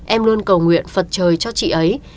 em luôn cầu nguyện phật trời cho chị ấy